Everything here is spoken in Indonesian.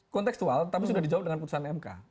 konteksual tapi sudah dijawab dengan putusan mk